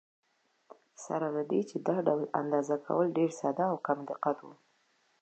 سره له دې چې دا ډول اندازه کول ډېر ساده او کم دقت و.